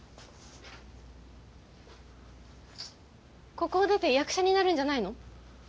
ここを出て役者になるんじゃないの？